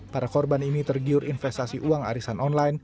para korban ini tergiur investasi uang arisan online